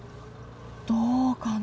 どうかな？